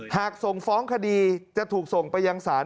หากส่งฟ้องคดีจะถูกส่งไปยังศาล